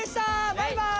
バイバーイ！